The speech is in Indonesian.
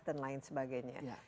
dan lain sebagainya